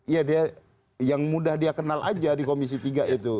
ya dia yang mudah dia kenal aja di komisi tiga itu